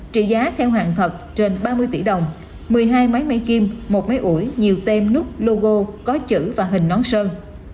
trị giá theo hàng thật trên ba mươi tỷ đồng một mươi hai máy kim một máy ủi nhiều tem núp logo có chữ và hình nón sơn